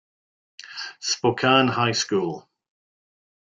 Spokane High School.